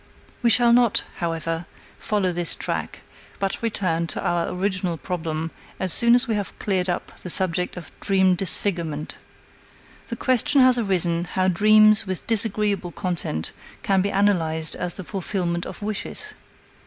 We shall not, however, follow this track, but return to our original problem as soon as we have cleared up the subject of dream disfigurement. The question has arisen how dreams with disagreeable content can be analyzed as the fulfillment of wishes.